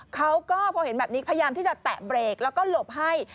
เขาก็พอเห็นแบบนี้พยายามที่จะแตะเบรกแล้วก็หลบให้